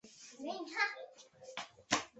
有的宗教组织可能也会夸大他们的信徒人数。